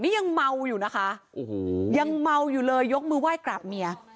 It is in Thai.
นี่ยังเมาอยู่นะคะโอ้โหยังเมาอยู่เลยยกมือไหว้กราบเมีย